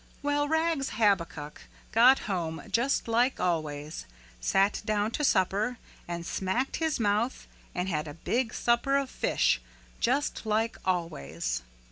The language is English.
Well, Rags Habakuk got home just like always, sat down to supper and smacked his mouth and had a big supper of fish, just like always.